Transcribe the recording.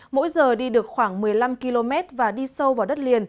mỗi giờ đi được khoảng một mươi năm km và đi sâu vào đất liền